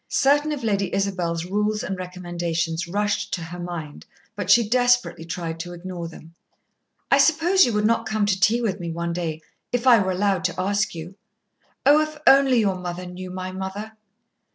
Certain of Lady Isabel's rules and recommendations rushed to her mind, but she desperately tried to ignore them. "I suppose you would not come to tea with me one day, if I were allowed to ask you? Oh, if only your mother knew my mother!"